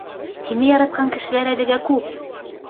Һине яратҡан кешеләр әлегә күп!